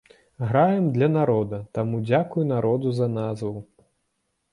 Граем для народа, таму дзякуй народу за назву.